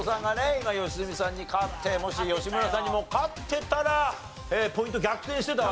今良純さんに勝ってもし吉村さんにも勝ってたらポイント逆転してたわけでしょ？